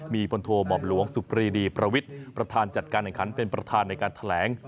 มีพลโทหม่อมหลวงสุปรีดีประวิทย์ประธานจัดการแห่งขันเป็นประธานในการแถลง